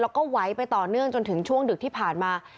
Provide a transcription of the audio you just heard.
แล้วก็ไหวไปต่อเนื่องจนถึงช่วงดึกที่ผ่านมา